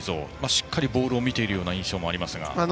しっかりボールを見ている印象もあります。